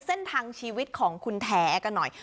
เส้นทางชีวิตของคุณแท้กันหน่อย